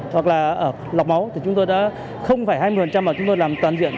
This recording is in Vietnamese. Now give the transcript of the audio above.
hoặc là ở lọc máu thì chúng tôi đã không phải hai mươi mà chúng tôi làm toàn diện